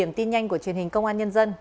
điểm tin nhanh của truyền hình công an nhân dân